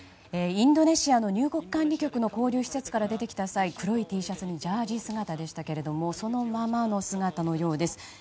インドネシアの入国管理局の施設から出てきた際、黒いＴシャツにジャージー姿でしたけどもそのままの姿のようです。